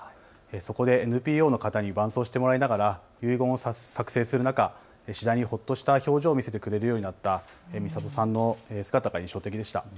そこでＮＰＯの方に伴走してもらいながら遺言を作成する中、次第にほっとした表情を見せてくれるようになったみさとさんの姿が印象的でした。